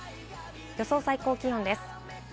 予想最高気温です。